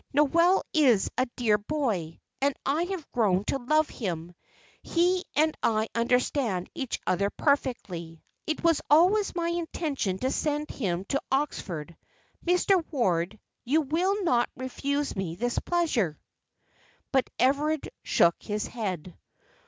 Noel is a dear boy, and I have grown to love him; he and I understand each other perfectly. It was always my intention to send him to Oxford. Mr. Ward, you will not refuse me this pleasure?" But Everard shook his head.